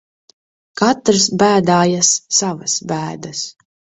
Katrs bēdājas savas bēdas.